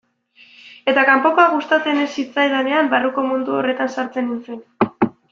Eta kanpokoa gustatzen ez zitzaidanean, barruko mundu horretan sartzen nintzen.